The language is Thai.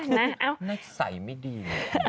น่าใส่ไม่ดี